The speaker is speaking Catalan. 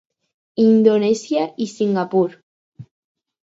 Indonèsia i Singapur.